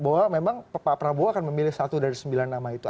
bahwa memang pak prabowo akan memilih satu dari sembilan nama itu